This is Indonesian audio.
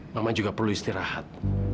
mama juga perlu istirahat